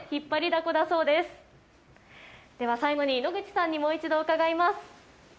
あでは最後に野口さんにもう一度伺います。